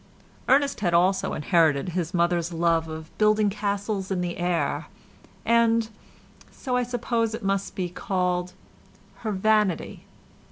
Ernest had also inherited his mother's love of building castles in the air, and—so I suppose it must be called—her vanity.